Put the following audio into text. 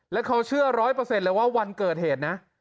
แล้วเขาเชื่อร้อยเปอร์เซ็นต์เลยว่าวันเกิดเหตุนะ